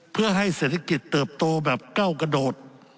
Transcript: เพื่อให้เศรษฐกิจเติบโตแบบก้าวกระโดด